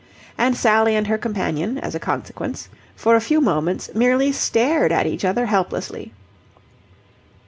And Sally and her companion, as a consequence, for a few moments merely stared at each other helplessly.